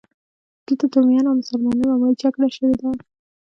دلته د رومیانو او مسلمانانو لومړۍ جګړه شوې ده.